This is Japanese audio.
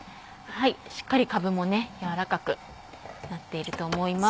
しっかりかぶも軟らかくなっていると思います。